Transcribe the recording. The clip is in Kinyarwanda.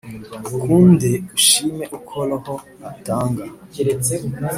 ukunde ushime uko roho atanga